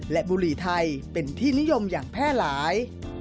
และบุหรี่ไทยเป็นที่นิยมอย่างแพร่หลาย